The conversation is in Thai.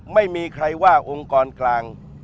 ไม่มีใครว่าองค์กรกลาง